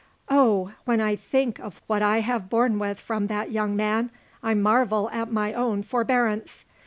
Oh! when I think of what I have borne with from that young man, I marvel at my own forbearance.